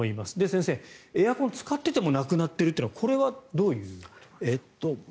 先生、エアコンを使っていても亡くなっているというのはこれはどういうことなんでしょうか。